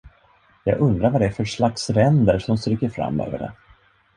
Jag undrar var det är för slags ränder, som stryker fram över det.